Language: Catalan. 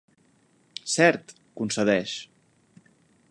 Cert —concedeix—.